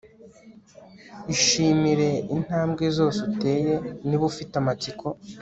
ishimire intambwe zose uteye. niba ufite amatsiko